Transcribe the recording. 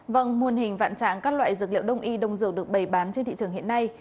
vâng muôn hình vạn trạng các loại dược liệu đông y đông dược được bày bán trên thị trường hiện nay